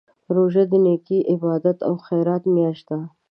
روژه د نېکۍ، عبادت او خیرات میاشت ده.